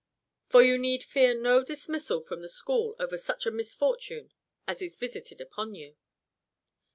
For you need fear no dismissal from the school over such a misfortune as is visited upon you."